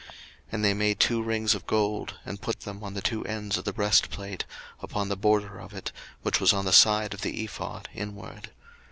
02:039:019 And they made two rings of gold, and put them on the two ends of the breastplate, upon the border of it, which was on the side of the ephod inward.